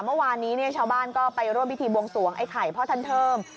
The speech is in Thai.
เมื่อวานนี้ชาวบ้านก็ไปร่วมพิธีบวงสวงไอ้ไข่พ่อท่านเทิม